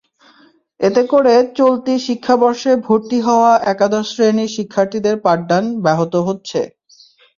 এতে করে চলতি শিক্ষাবর্ষে ভর্তি হওয়া একাদশ শ্রেণির শিক্ষার্থীদের পাঠদান ব্যাহত হচ্ছে।